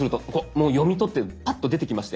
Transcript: もう読み取ってパッと出てきましたよね。